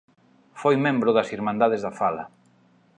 Foi membro das Irmandades da Fala.